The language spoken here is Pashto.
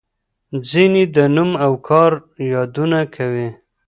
ځینې د نوم او کار یادونه کوي.